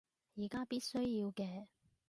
而家必須要嘅